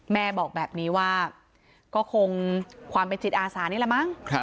แม่บอกแบบนี้ว่าก็คงความเป็นจิตอาสานี่แหละมั้ง